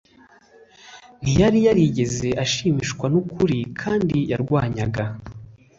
Ntiyari yarigeze ashimishwa n ukuri kandi yarwanyaga